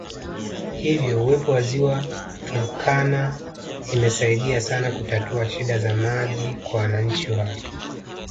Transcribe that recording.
Hivyo uwepo wa Ziwa Turkana imesaidia sana kutatua shida ya maji kwa wananchi wake